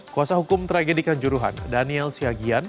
kuasa hukum tragedi kanjuruhan daniel siagian